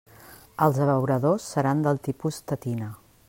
Els abeuradors seran del tipus tetina.